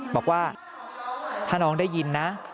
บอกว่าถ้าน้องได้ยินนะ